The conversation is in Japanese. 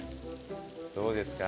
どうですか？